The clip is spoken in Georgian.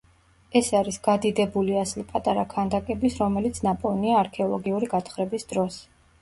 ეს არის გადიდებული ასლი პატარა ქანდაკების, რომელიც ნაპოვნია არქეოლოგიური გათხრების დროს.